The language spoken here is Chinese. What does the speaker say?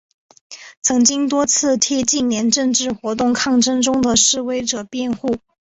曾经多次替近年政治活动抗争中的示威者辩护。